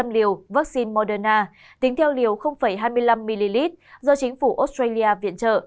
một ba trăm tám mươi hai bốn trăm linh liều vaccine moderna tính theo liều hai mươi năm ml do chính phủ australia viện trợ